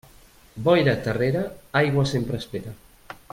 Boira terrera, aigua sempre espera.